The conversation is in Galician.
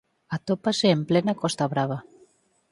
Atópase en plena Costa Brava.